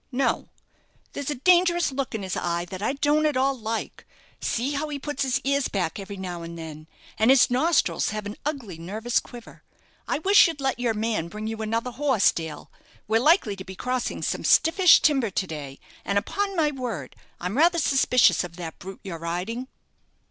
"No, there's a dangerous look in his eye that I don't at all like. See how he puts his ears back every now and then; and his nostrils have an ugly nervous quiver. I wish you'd let your man bring you another horse, Dale. We're likely to be crossing some stiffish timber to day; and, upon my word, I'm rather suspicious of that brute you're riding."